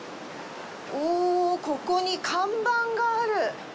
お、ここに看板がある。